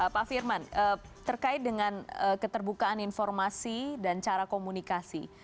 pak firman terkait dengan keterbukaan informasi dan cara komunikasi